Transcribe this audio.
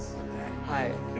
はい。